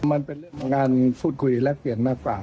มันเป็นเรื่องของการพูดคุยแลกเปลี่ยนมากกว่า